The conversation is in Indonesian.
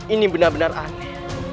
ini benar benar aneh